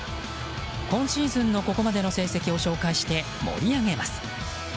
今シーズンのここまでの成績を紹介して盛り上げます。